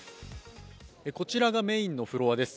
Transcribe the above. こちらがメインのフロアです。